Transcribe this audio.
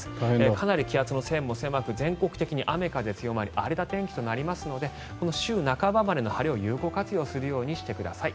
かなり気圧の線も狭く全国的に雨風強まり荒れた天気となりますので週半ばまでの晴れを有効活用するようにしてください。